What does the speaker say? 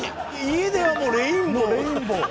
家ではもうレインボー？